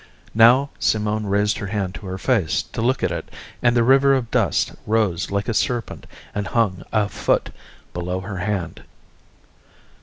Now Simone raised her hand to her face to look at it, and the river of dust rose like a serpent and hung a foot below her hand.